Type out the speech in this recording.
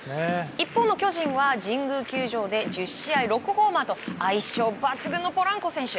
一方の巨人は神宮球場で１０試合６ホーマーと相性抜群のポランコ選手。